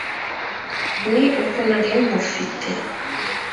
ni uko nari nkufite